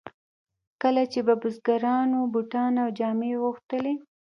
کله به چې بزګرانو بوټان او جامې غوښتلې.